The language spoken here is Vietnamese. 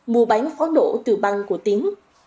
mua bán pháo nổ từ băng của tiến